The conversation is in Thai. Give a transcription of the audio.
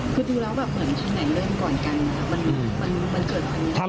คือดูแล้วเหมือนที่ไหนเรื่องก่อนกัน